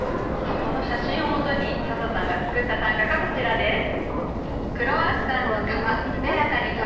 この写真をもとに笹さんが作った短歌がこちらです。